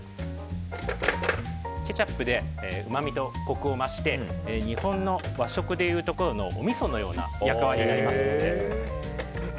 ケチャップでうまみとコクを増して日本の和食でいうところのおみそのような役割になります。